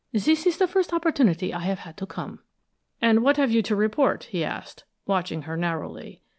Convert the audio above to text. This is the first opportunity I have had to come." "And what have you to report?" he asked, watching her narrowly.